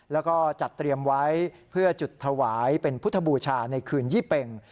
แล้วก็จัดเตรียมไว้เพื่อจุดถวายเป็นพุทธบูชาในคืนยี่เป็ง